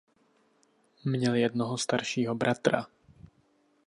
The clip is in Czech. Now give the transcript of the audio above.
Měl jednoho staršího bratra.